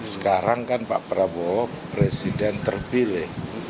sekarang kan pak prabowo presiden terpilih